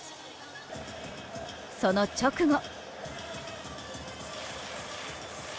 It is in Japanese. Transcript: その直後。